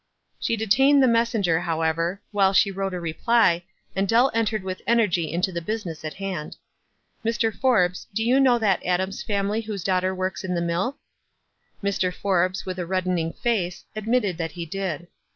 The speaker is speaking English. She detained the messenger, however, while she wrote a reply, and Deli entered with energy into the business at hand. tr Mr. Forbes, do you know that Adams family whose daughter works in the mill?" Mr. Forbes, with a reddening face, admitted that he did.